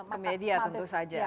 ke media tentu saja